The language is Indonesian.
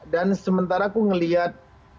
dan sementara aku ngeliat